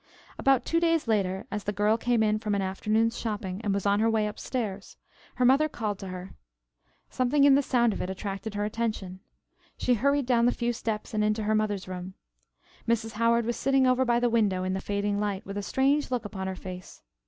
About two days later, as the girl came in from an afternoon's shopping, and was on her way upstairs, her mother called to her. Something in the sound of it attracted her attention. She hurried down the few steps and into her mother's room. Mrs. Howard was sitting over by the window in the fading light, with a strange look upon her face.